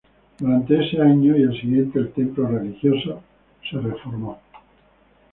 Durante ese año y el siguiente, el templo religioso fue reformado.